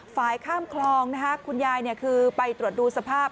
ฝ่ายข้ามคลองนะคะคุณยายคือไปตรวจดูสภาพ